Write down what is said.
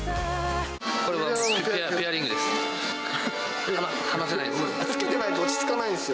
これ、ペアリングです。